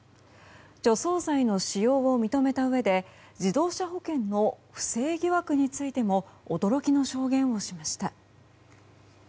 除草剤の使用を認めたうえで自動車保険の不正疑惑についても驚きの証言をしました。